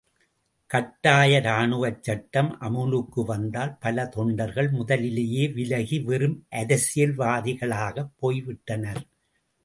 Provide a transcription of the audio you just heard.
கட்டாய ராணுவச்சட்டம் அமுலுக்குவாந்ததால் பல தொண்டார்கள் முதலிலேயே விலகி வெறும் அரசியல்வாதிகளாகப் போய்விட்டனர்.